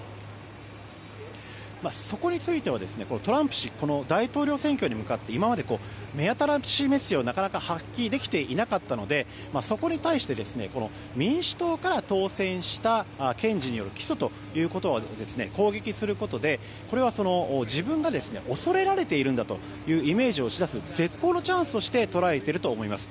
そこについてはトランプ氏この大統領選に向かって今まで目新しいメッセージをなかなか発揮できていなかったのでそこに対して民主党から当選した検事による起訴は攻撃することで自分が恐れられているんだというイメージを打ち出す絶好のチャンスとして捉えていると思います。